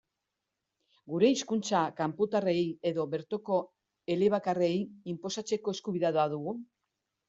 Gure hizkuntza, kanpotarrei edo bertoko elebakarrei, inposatzeko eskubidea badugu?